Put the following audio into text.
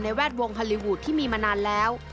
แวดวงฮอลลีวูดที่มีมานานแล้ว